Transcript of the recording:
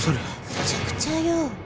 むちゃくちゃよ。